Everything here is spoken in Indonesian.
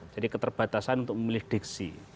jadi keterbatasan untuk memilih diksi